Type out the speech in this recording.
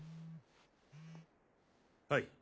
はい。